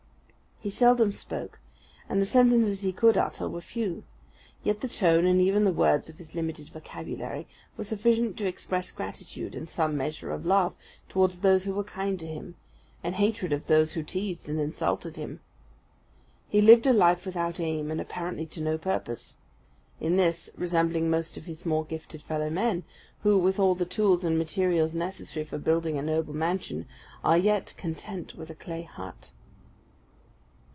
He seldom spoke; and the sentences he could utter were few; yet the tone, and even the words of his limited vocabulary, were sufficient to express gratitude and some measure of love towards those who were kind to him, and hatred of those who teased and insulted him. He lived a life without aim, and apparently to no purpose; in this resembling most of his more gifted fellow men, who, with all the tools and materials necessary for building a noble mansion, are yet content with a clay hut.